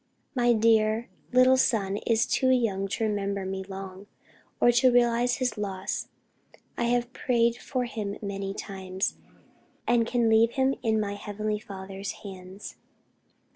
My dear little son is too young to remember me long, or to realize his loss. I have prayed for him many times, and can leave him in my Heavenly Father's hands....